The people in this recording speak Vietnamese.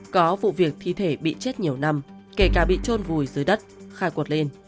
có vụ việc thi thể bị chết nhiều năm kể cả bị trôn vùi dưới đất khai quật lên